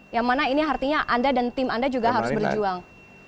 yang mana ini artinya anda dan tim anda juga harus berjuang